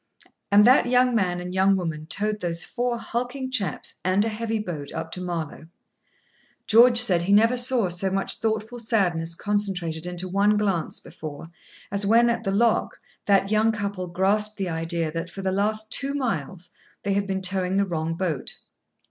And that young man and young woman towed those four hulking chaps and a heavy boat up to Marlow. George said he never saw so much thoughtful sadness concentrated into one glance before, as when, at the lock, that young couple grasped the idea that, for the last two miles, they had been towing the wrong boat.